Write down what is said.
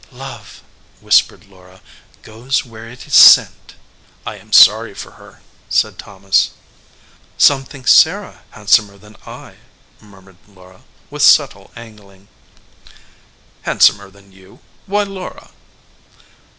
"Love," whispered Laura, "goes where it is sent." 2 9 EDGEWATER PEOPLE "I am sorry for her," said Thomas. "Some think Sarah handsomer than I," mur mured Laura, with subtle angling. "Handsomer than you ! Why, Laura